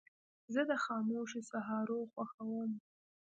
زه د خاموشو سهارو خوښوم.